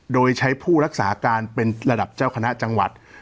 โดยใช้ผู้รักษาการเป็นระดับเจ้าคณะจังหวัด